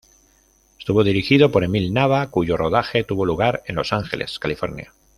Estuvo dirigido por Emil Nava, cuyo rodaje tuvo lugar en Los Ángeles, California.